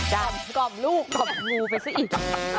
ดำกล่อมลูกกล่อมงูไปซะอีก